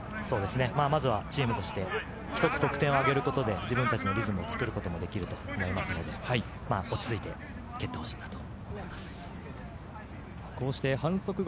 まずはチームとして、ひとつ得点をあげることで自分たちのリズムを作ることもできると思いますので、落ち着いて蹴ってほしいなと思います。